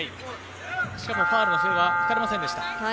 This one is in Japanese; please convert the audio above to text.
しかもファウルはかかりませんでした。